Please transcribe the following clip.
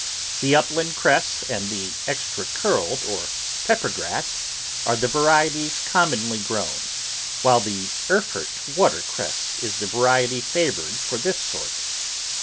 The Upland Cress and the Extra Curled or Peppergrass are the varieties commonly grown, while the Erfurt Water Cress is the variety fa voured for this sort.